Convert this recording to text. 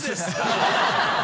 ハハハ